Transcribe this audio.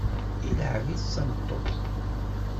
Ilεeb-itt d tameṭṭut.